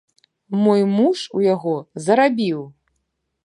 Мой муж у яго зарабіў!